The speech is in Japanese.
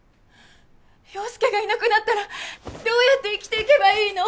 陽佑がいなくなったらどうやって生きて行けばいいの？